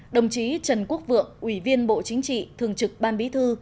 đồng chí trần quốc vượng ủy viên bộ chính trị thường trực ban bí thư